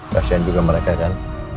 kasian juga mereka kan